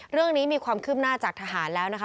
เรื่องนี้มีความคืบหน้าจากทหารแล้วนะคะ